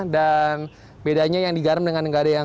dan bedanya yang digarem dengan nggak ada yang kering